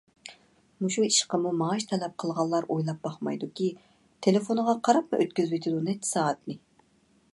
مۇشۇ ئىشقىمۇ مائاش تەلەپ قىلغانلار ئويلاپ باقمايدۇكى، تېلېفونىغا قاراپمۇ ئۆتكۈزۈۋېتىدۇ نەچچە سائەتنى.